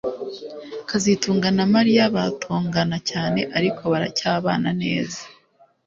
kazitunga na Mariya batongana cyane ariko baracyabana neza